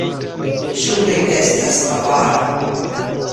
Ĉu li estas avara?